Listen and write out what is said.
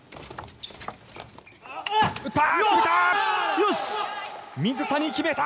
打った。